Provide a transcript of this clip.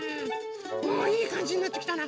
おおいいかんじになってきたな。